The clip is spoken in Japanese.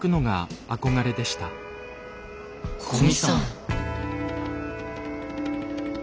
古見さん。